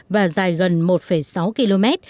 và dài gần một sáu km